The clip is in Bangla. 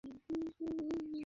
যতক্ষণ না আপনি সঠিক পথে আছেন।